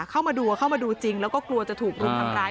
เข้ามาดูเข้ามาดูจริงแล้วก็กลัวจะถูกรุมทำร้าย